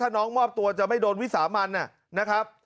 น้องมอบตัวจะไม่โดนวิสามันนะครับ